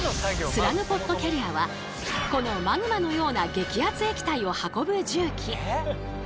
スラグポットキャリアはこのマグマのような激アツ液体を運ぶ重機。